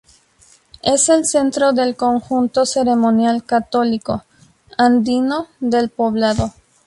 Es el centro del conjunto ceremonial católico andino del poblado.